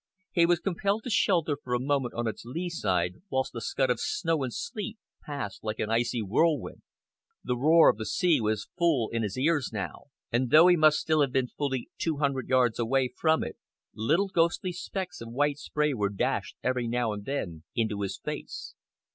He was compelled to shelter for a moment on its lee side, whilst a scud of snow and sleet passed like an icy whirlwind. The roar of the sea was full in his ears now, and though he must still have been fully two hundred yards away from it, little ghostly specks of white spray were dashed, every now and then, into his face.